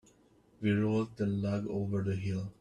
We rolled the log over the hill.